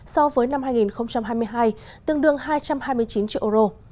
so với năm hai nghìn hai mươi hai tương đương hai trăm hai mươi chín triệu euro